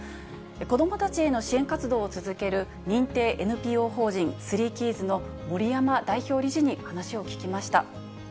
子どもたちへの支援活動を続ける認定ＮＰＯ法人スリーキーズの森山代表理事に話を聞きました。